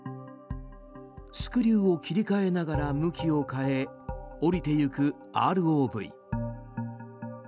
スクリューを切り替えながら向きを変え降りてゆくＲＯＶ。